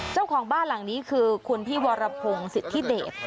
เจ้าของบ้านหลังนี้คือคุณพี่วรพงศ์สิทธิเดช